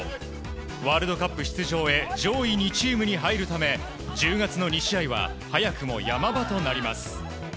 ワールドカップ出場へ上位２チームに入るため１０月の２試合は早くも山場となります。